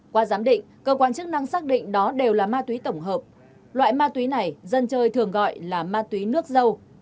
qua giám định cơ quan chức năng xác định đó đều là ma túy tổng hợp loại ma túy này dân chơi thường gọi là ma túy nước dâu